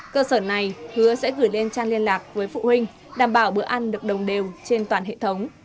cơ sở này hứa sẽ gửi lên trang liên lạc với phụ huynh đảm bảo bữa ăn được đồng đều trên toàn hệ thống